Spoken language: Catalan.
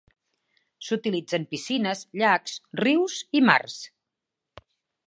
S'utilitza en piscines, llacs, rius i mars.